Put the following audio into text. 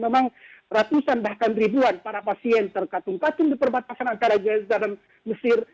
memang ratusan bahkan ribuan para pasien terkatung katung di perbatasan antara gaza dan mesir